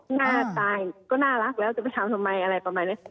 หน้าตายก็น่ารักแล้วจะไปทำทำไมอะไรประมาณนี้